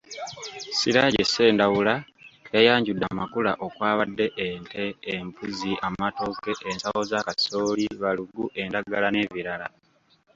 Siraje Ssendawula yayanjudde amakula okwabadde; ente, embuzi, amatooke, ensawo za kasooli, balugu, endagala n’ebirala.